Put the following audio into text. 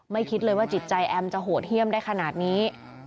คิดเลยว่าจิตใจแอมจะโหดเยี่ยมได้ขนาดนี้